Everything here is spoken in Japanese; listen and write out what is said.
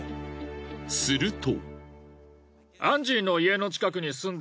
すると。